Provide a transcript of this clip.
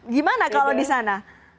gimana kalau di sana